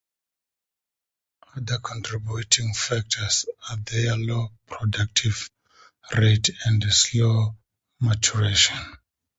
Other contributing factors are their low reproductive rate and slow maturation.